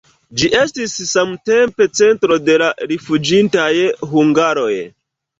Ĝi estis samtempe centro de la rifuĝintaj hungaroj.